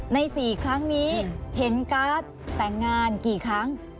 ใน๔ครั้งนี้เห็นการ์ดแต่งงานกี่ครั้ง